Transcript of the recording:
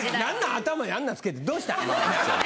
頭にあんなんつけてどうしたん？